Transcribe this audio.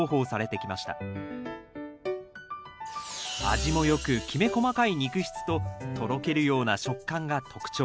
味も良くきめ細かい肉質ととろけるような食感が特徴。